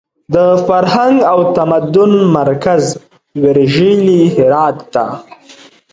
د فرهنګ او تمدن مرکز ویرژلي هرات ته!